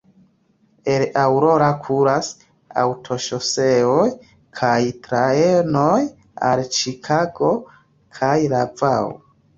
El Aurora kuras aŭtoŝoseoj kaj trajnoj al Ĉikago kaj Iovao.